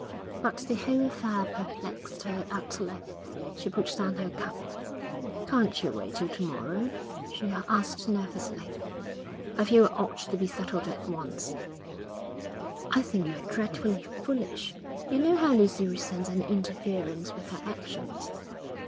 But the whole affair perplexed her utterly. She put down her cup. 'Can't you wait till to morrow?' she asked nervously. 'I feel it ought to be settled at once.' 'I think you're dreadfully foolish. You know how Lucy resents any interference with her actions.'